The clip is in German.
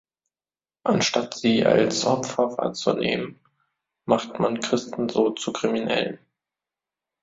Anstatt sie als Opfer wahrzunehmen, macht man Christen so zu Kriminellen.